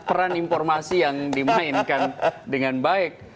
peran informasi yang dimainkan dengan baik